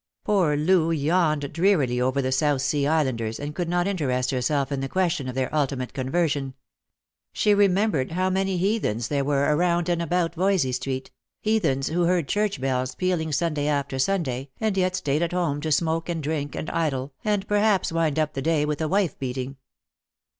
Poor Loo yawned drearily over the South Sea Islanders, and could not interest herself in the question of their ultimate conversion. She re membered how many heathens there were around and about Voysey street — heathens who heard church bells pealing Sun day after Sunday, and yet stayed at home to smoke and drink and idle, and perhaps wind up the day with a wife beating.